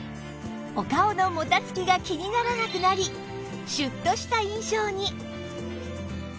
お顔のもたつきが気にならなくなりシュッとした印象に